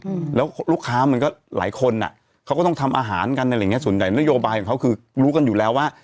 อืมแล้วลูกค้ามันก็หลายคนอ่ะเขาก็ต้องทำอาหารกันอะไรอย่างเงี้ส่วนใหญ่นโยบายของเขาคือรู้กันอยู่แล้วว่า